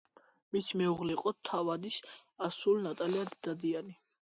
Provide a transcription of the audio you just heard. მისი მეუღლე იყო თავადის ასული ნატალია დადიანი.